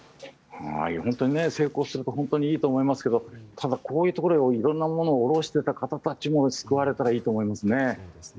本当に成功するといいと思いますけどただこういうところにもいろんなものを卸していた方たちも救われたらいいなと思いますね。